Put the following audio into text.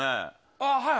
ああ、はい。